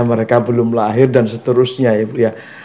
mereka belum lahir dan seterusnya ibu ya